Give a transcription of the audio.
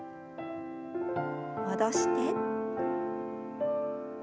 戻して。